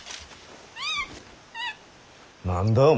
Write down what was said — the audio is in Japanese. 何だお前